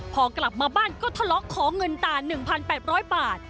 พอกลับมาบ้านก็ทะเลาะขอเงินตา๑๘๐๐บาท